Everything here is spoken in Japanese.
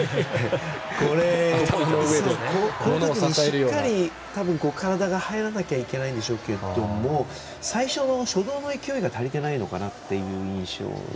この時にしっかり体が入らなければならないんでしょうけど最初の初動の勢いが足りてないのかなという印象です。